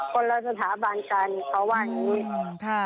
คนละสถาบันกันเพราะว่า